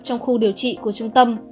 trong khu điều trị của trung tâm